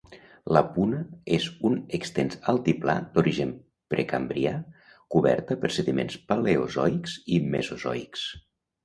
La puna és un extens altiplà d'origen precambrià, coberta per sediments paleozoics i mesozoics.